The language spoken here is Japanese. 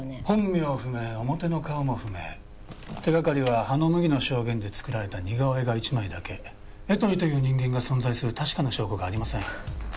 本名不明表の顔も不明手がかりは羽野麦の証言で作られた似顔絵が一枚だけエトリという人間が存在する確かな証拠がありません